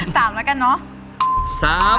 ๓แล้วกันเนอะ